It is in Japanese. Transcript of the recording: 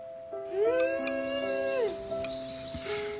うん！